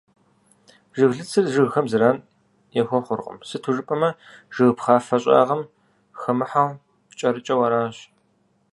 Жыглыцыр жыгхэм зэран яхуэхъуркъым, сыту жыпӏэмэ, жыг пхъафэ щӏагъым хэмыхьэу, кӏэрыкӏэу аращ.